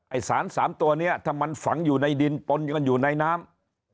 ไอ้สาร๓ตัวเนี่ยถ้ามันฝังอยู่ในดินปนอยู่ในน้ำ